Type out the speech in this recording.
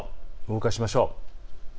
動かしましょう。